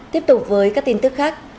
tiếp tục với các tin tức khác